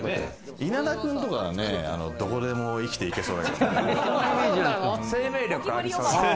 稲田君とかはどこでも生きていけそう。